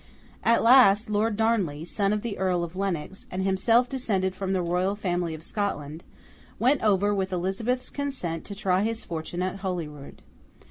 At last, Lord Darnley, son of the Earl of Lennox, and himself descended from the Royal Family of Scotland, went over with Elizabeth's consent to try his fortune at Holyrood.